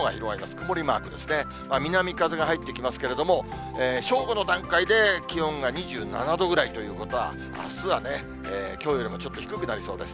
曇りマークですね、南風が入ってきますけれども、正午の段階で気温が２７度ぐらいということは、あすはね、きょうよりもちょっと低くなりそうです。